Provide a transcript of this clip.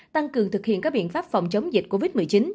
tăng cường thực hiện các biện pháp phòng chống dịch covid một mươi chín